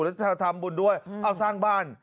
แล้วจะทำบุญด้วยเอาสร้างบ้าน